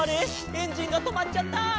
エンジンがとまっちゃった！」